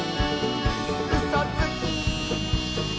「うそつき！」